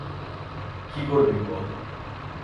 কী করবি বল?